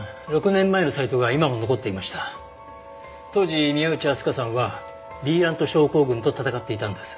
当時宮内あすかさんはヴィーラント症候群と闘っていたんです。